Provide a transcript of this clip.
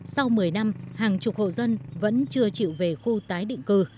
sau một mươi năm hàng chục hộ dân vẫn chưa chịu về khu tái định cư